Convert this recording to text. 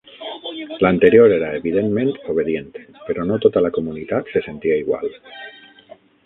L'anterior era evidentment obedient però no tota la comunitat se sentia igual.